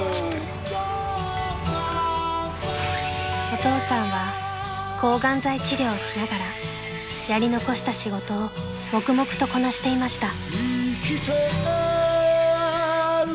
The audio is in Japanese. ［お父さんは抗がん剤治療をしながらやり残した仕事を黙々とこなしていました］